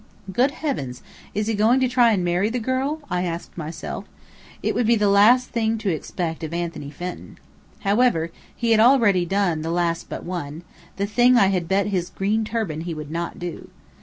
"Good heavens, is he going to try and marry the girl?" I asked myself. It would be the last thing to expect of Anthony Fenton. However, he had already done the last but one; the thing I had bet his green turban he would not do.